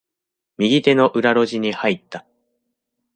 右手の裏路地に入った。